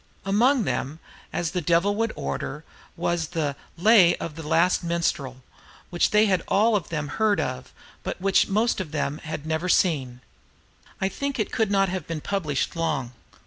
Among them, as the Devil would order, was the "Lay of the Last Minstrel," [Note 7] which they had all of them heard of, but which most of them had never seen. I think it could not have been published long.